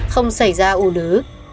không xảy ra ưu lứ